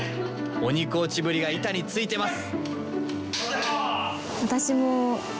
鬼コーチぶりが板についてます！